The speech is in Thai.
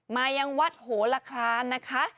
มายังวัดโหลคลานนะคะ